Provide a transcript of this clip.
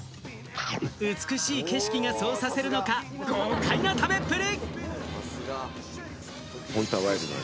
美しい景色がそうさせるのか、豪快な食べっぷり！